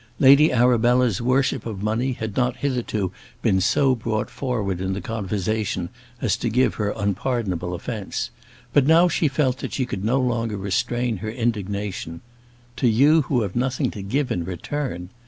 Lady Arabella's worship of money had not hitherto been so brought forward in the conversation as to give her unpardonable offence; but now she felt that she could no longer restrain her indignation. "To you who have nothing to give in return!"